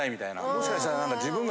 もしかしたら。